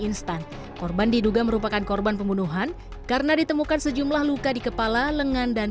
instan korban diduga merupakan korban pembunuhan karena ditemukan sejumlah luka di kepala lengan dan